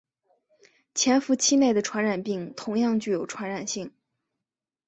潜伏期内的传染病同样具有传染性。